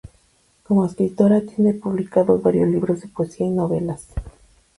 Como escritora, tiene publicados varios libros de poesía y novelas.